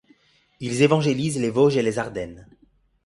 Ils évangélisent les Vosges et les Ardennes.